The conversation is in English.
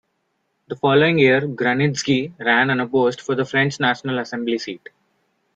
The following year Grunitzky ran unopposed for the French National Assembly seat.